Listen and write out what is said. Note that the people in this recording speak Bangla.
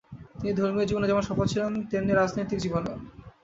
তিনি ধর্মীয় জীবনে যেমন সফল ছিলেন, তেমনই রাজনৈতিক জীবনেও।